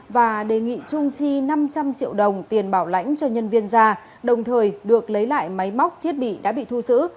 và đề nghị trung chi năm trăm linh triệu đồng tiền bảo lãnh cho nhân viên ra đồng thời được lấy lại máy móc thiết bị đã bị thu giữ